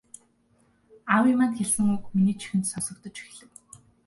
Аавын маань хэлсэн үг миний чихэнд сонсогдож эхлэв.